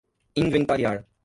inventariar